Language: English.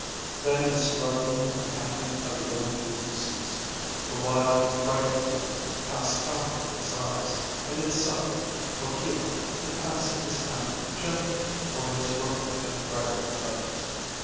Then the struggling and panting of the young eagle ceased; the wild, frightened look passed out of its eyes, and it suffered Waukewa to pass his hand gently over its ruffled and draggled feathers.